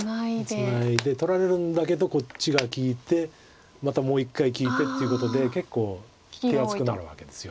ツナいで取られるんだけどこっちが利いてまたもう一回利いてっていうことで結構手厚くなるわけです。